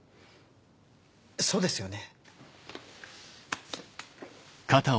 そうですよね。